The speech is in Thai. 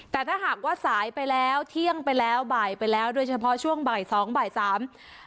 แต่ถ้าหากว่าสายไปแล้วเที่ยงไปแล้วบ่ายไปแล้วโดยเฉพาะช่วงบ่ายสองบ่ายสาม